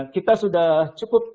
kita sudah cukup